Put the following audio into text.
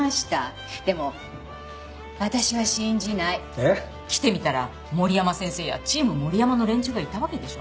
えっ？来てみたら森山先生やチーム森山の連中がいたわけでしょ。